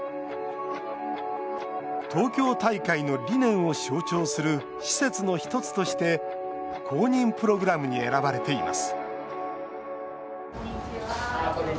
東京大会の理念を象徴する施設の１つとして公認プログラムに選ばれています